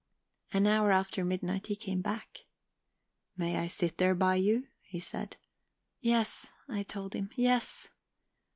"An hour after midnight he came back." "'May I sit there by you?' he said. "'Yes,' I told him. 'Yes.'